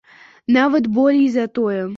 Нават болей за тое.